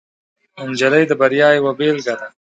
نجلۍ د بریا یوه بیلګه ده.